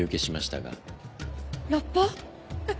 えっ